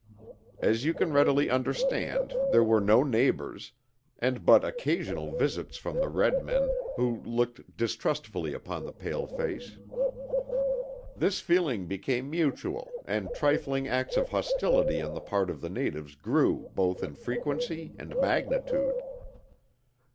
As you can readily understand, there were no neighbors, and but occasional visits from the red man, who looked distrustfully upon the pale face. This feeling became mutual, and trifling acts of hostility on the part of the natives grew both in frequency and magnitude.